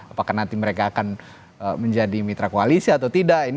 apakah nanti mereka akan menjadi mitra koalisi atau tidak